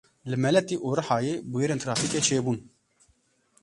Li Meletî û Rihayê bûyerên trafîkê çêbûn.